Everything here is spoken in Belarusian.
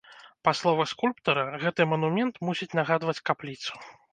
Па словах скульптара, гэты манумент мусіць нагадваць капліцу.